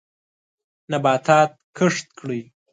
نباتات کښت کړئ.